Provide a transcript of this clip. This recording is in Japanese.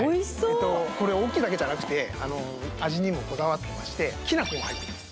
これ大きいだけじゃなくて味にもこだわってましてきなこが入ってるんです